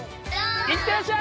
いってらっしゃい！